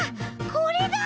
これだ！